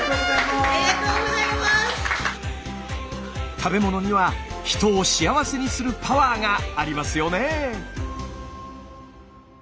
食べ物には人を幸せにするパワーがありますよねぇ。